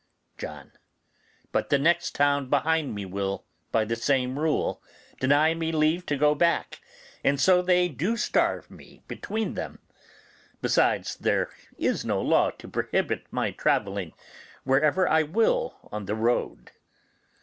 John. But the next town behind me will, by the same rule, deny me leave to go back, and so they do starve me between them. Besides, there is no law to prohibit my travelling wherever I will on the road.